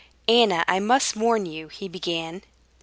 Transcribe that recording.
"Anna, I must warn you," he began.